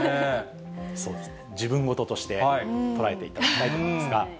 自分事として捉えていただきたいと思いますが。